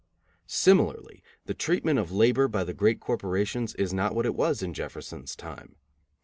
Similarly, the treatment of labor by the great corporations is not what it was in Jefferson's time.